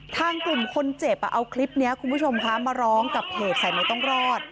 ทางกลุ่มคนเจ็บเอาคลิปนี้คุณผู้ชมคะมาร้องกับเพจสายใหม่ต้องรอด